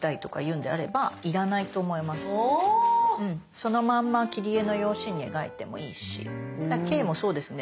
そのまんま切り絵の用紙に描いてもいいし「Ｋ」もそうですね。